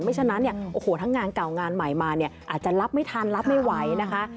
ไม่ฉะนั้นทั้งงานเก่างานใหม่มาอาจจะรับไม่ทันรับไม่ไหวนะคะ